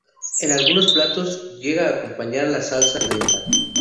En algunos platos llega a acompañar a la salsa de menta.